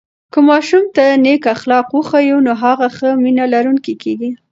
که ماشوم ته نیک اخلاق وښیو، نو هغه ښه مینه لرونکی کېږي.